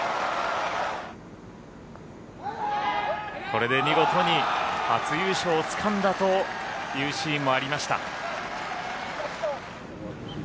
これで見事に初優勝をつかんだというシーンもありました。